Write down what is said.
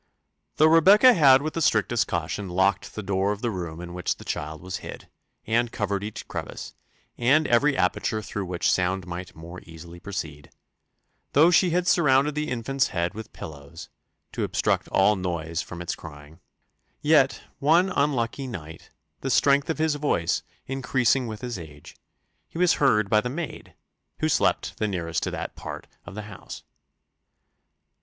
Though Rebecca had with strictest caution locked the door of the room in which the child was hid, and covered each crevice, and every aperture through which sound might more easily proceed; though she had surrounded the infant's head with pillows, to obstruct all noise from his crying; yet one unlucky night, the strength of his voice increasing with his age, he was heard by the maid, who slept the nearest to that part of the house.